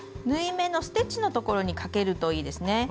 縫い目のステッチのところにかけるといいですね。